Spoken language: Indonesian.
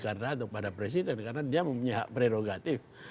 atau kepada presiden karena dia mempunyai hak prerogatif